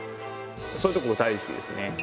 そういうところ大好きですね。